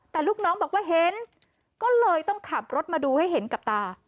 แต่ลูกน้องบอกว่าเห็นก็เลยต้องขับรถมาดูให้เห็นกับตา